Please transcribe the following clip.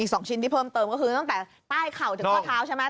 ๒ชิ้นที่เพิ่มเติมก็คือตั้งแต่ใต้เข่าถึงข้อเท้าใช่ไหม